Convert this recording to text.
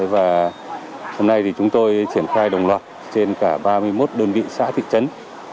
và hôm nay thì chúng tôi triển khai đồng loạt trên cả ba mươi một đơn vị xã thị trấn